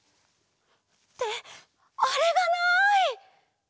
ってあれがない！